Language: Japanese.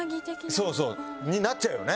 そうそう。になっちゃうよね？